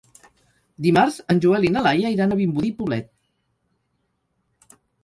Dimarts en Joel i na Laia iran a Vimbodí i Poblet.